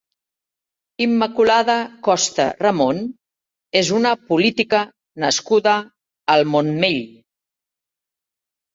Inmaculada Costa Ramon és una política nascuda al Montmell.